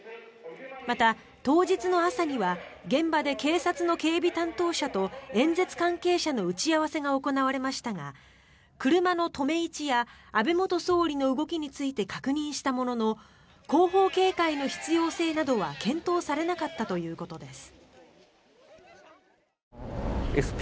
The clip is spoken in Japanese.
また、当日の朝には現場で警察の警備担当者と演説関係者の打ち合わせが行われましたが車の止め位置や安倍元総理の動きについて確認したものの後方警戒の必要性などは検討されなかったということです。